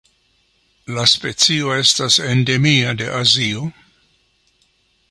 La specio estas endemia de Azio.